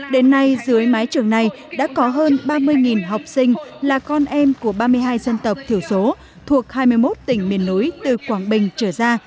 đến nay dưới mái trường này đã có hơn ba mươi học sinh là con em của ba mươi hai dân tộc thiểu số thuộc hai mươi một tỉnh miền núi từ quảng bình trở ra